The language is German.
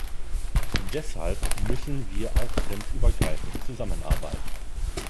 Deshalb müssen wir auch grenzübergreifend zusammenarbeiten.